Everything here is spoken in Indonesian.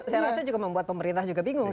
saya rasa juga membuat pemerintah juga bingung